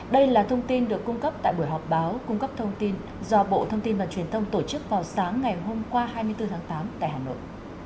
đây là thông tin được cung cấp tại buổi họp báo cung cấp thông tin do bộ thông tin và truyền thông tổ chức vào sáng ngày hôm qua hai mươi bốn tháng tám tại hà nội